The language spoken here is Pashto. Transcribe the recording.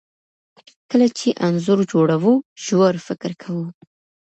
کله چې انځور جوړوو ژور فکر کوو.